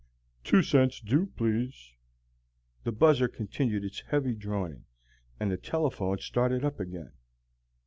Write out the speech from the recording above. "Two cents due, please." The buzzer continued its heavy droning, and the telephone started up again.